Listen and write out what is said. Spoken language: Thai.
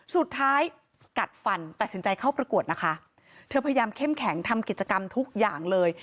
สุดท้ายกัดฟันตัดสินใจเข้าประกวดนะคะเธอพยายามเข้มแข็งทำกิจกรรมทุกอย่างเลย